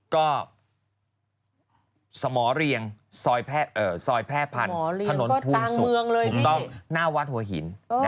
ก็สมอเรียงซอยแพร่พันธนวัดหัวหิน